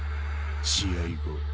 試合後